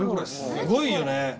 すごいよね。